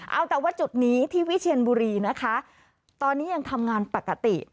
เอาแต่ว่าจุดนี้ที่วิเชียนบุรีนะคะตอนนี้ยังทำงานปกติ